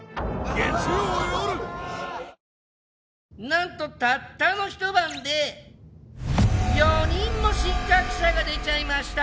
なんとたったのひと晩で４人も失格者が出ちゃいました！